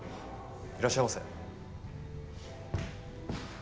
いらっしゃいませ。